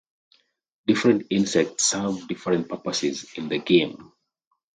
Different insects serve different purposes in the game.